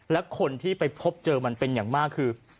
และคนที่ไปพบเจอมันเป็นอย่างมากคือ